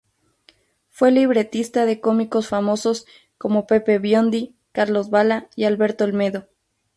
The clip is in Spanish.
Fue libretista de cómicos famosos como Pepe Biondi, Carlos Balá y Alberto Olmedo.